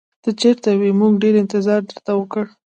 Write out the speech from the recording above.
ته چېرته وې؟ موږ ډېر انتظار درته وکړ.